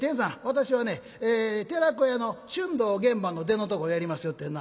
私はね『寺子屋』の春藤玄蕃の出のとこやりますよってにな」。